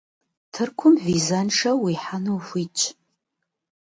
Тыркум визэншэу уихьэну ухуитщ.